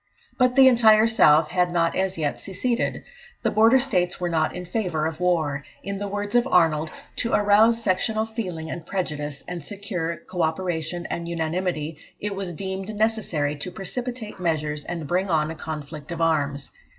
But the entire South had not as yet seceded. The Border States were not in favour of war. In the words of Arnold, "to arouse sectional feeling and prejudice, and secure co operation and unanimity, it was deemed necessary to precipitate measures and bring on a conflict of arms."